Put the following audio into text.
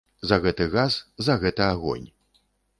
За гэты газ, за гэты агонь.